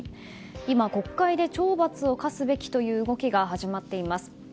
今、国会で懲罰を科すべきという動きが始まっています。